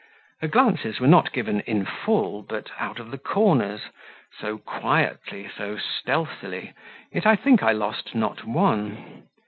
Her glances were not given in full, but out of the corners, so quietly, so stealthily, yet I think I lost not one.